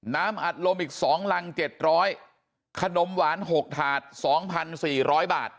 น้ำอัดลมอีกสองลังเจ็ดร้อยขนมหวานหกถาดสองพันสี่ร้อยบาท